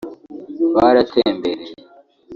baratembereye